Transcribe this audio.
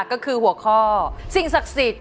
ก็คือหัวข้อสิ่งศักดิ์สิทธิ์